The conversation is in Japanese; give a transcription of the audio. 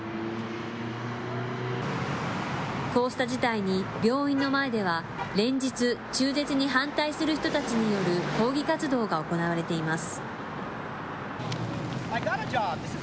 こうした事態に、病院の前では、連日、中絶に反対する人たちによる抗議活動が行われています。